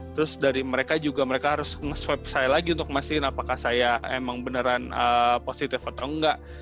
terus dari mereka juga mereka harus nge swab saya lagi untuk memastikan apakah saya emang beneran positif atau enggak